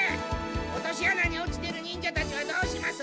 落としあなに落ちてる忍者たちはどうします？